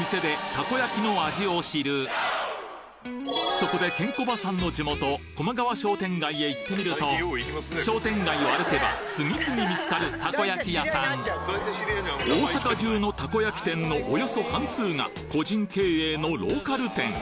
そこでケンコバさんの地元駒川商店街へ行ってみると商店街を歩けば次々見つかるたこ焼き屋さん大阪中のたこ焼き店のおよそ半数が個人経営のローカル店